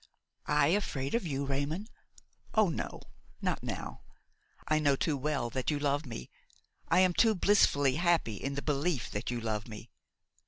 "I afraid of you, Raymon? Oh! no, not now. I know too well that you love me, I am too blissfully happy in the belief that you love me.